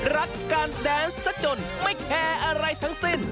รักการแดนซะจนไม่แคร์อะไรทั้งสิ้น